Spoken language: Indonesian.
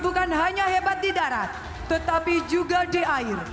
bukan hanya hebat di darat tetapi juga di air